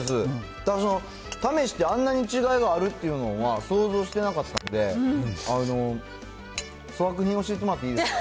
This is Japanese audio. だから、その試して、あんなに違いがあるっていうのは想像してなかったんで、粗悪品教えてもらっていいですか。